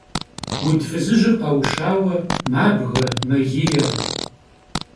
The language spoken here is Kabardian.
Уд фызыжьыр къэушауэ мабгэ, мэгие.